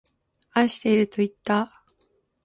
愛してるといった。